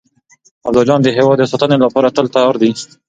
ابداليان د هېواد د ساتنې لپاره تل تيار دي.